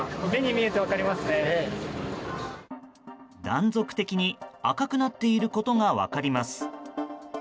断続的に赤くなっていることが分かります。